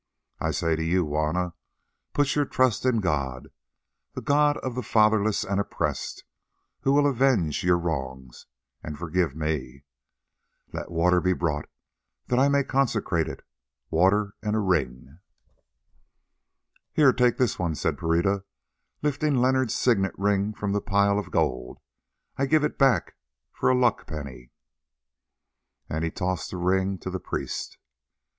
I say to you, Juanna, put your trust in God, the God of the fatherless and oppressed, who will avenge your wrongs—and forgive me. Let water be brought, that I may consecrate it—water and a ring." "Here, take this one," said Pereira, lifting Leonard's signet ring from the pile of gold. "I give it back for a luck penny." And he tossed the ring to the priest.